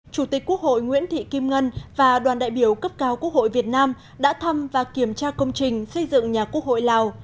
chủ tịch quốc hội nguyễn thị kim ngân và đoàn đại biểu cấp cao quốc hội việt nam đã thăm và kiểm tra công trình xây dựng nhà quốc hội lào